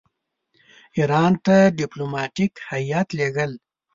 ایران ته ډیپلوماټیک هیات لېږل.